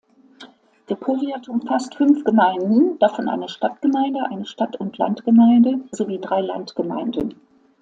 Der Powiat umfasst fünf Gemeinden, davon eine Stadtgemeinde, eine Stadt-und-Land-Gemeinde sowie drei Landgemeinden.